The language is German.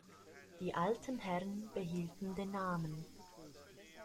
Die Alten Herren behielten den Namen.